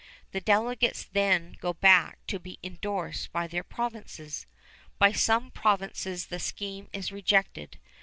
The delegates then go back to be indorsed by their provinces. By some provinces the scheme is rejected.